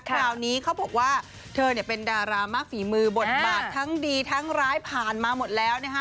คราวนี้เขาบอกว่าเธอเป็นดารามากฝีมือบทบาททั้งดีทั้งร้ายผ่านมาหมดแล้วนะฮะ